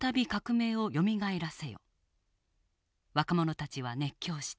若者たちは熱狂した。